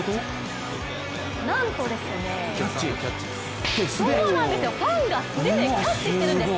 なんと、ファンが素手でキャッチしているんです。